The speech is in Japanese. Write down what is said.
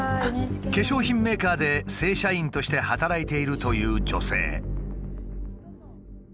化粧品メーカーで正社員として働いているという女性。